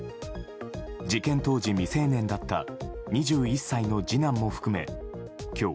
事件当時、未成年だった２１歳の次男も含め今日